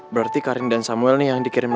berarti karin dan samuel nih yang dikirim lomba